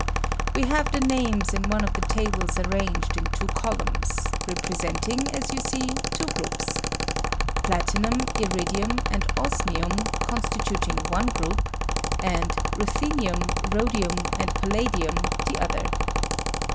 We have the names in w 188 MEMBERS OF THE PLATINUM GROUP. e of the tables arranged in two columns, rep resenting, as you see, two groups ; platinum, iridium, and osmium constituting one group, and ruthenium, rhodium, and palladium the other.